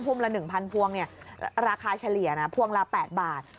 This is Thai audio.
พุ่มละ๑๐๐๐พวงเนี่ยราคาเฉลี่ยนะพวงละ๘บาท